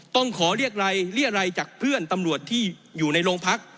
ต้องขอเรียกอะไรจากเพื่อนตำรวจที่อยู่ในโรงพัก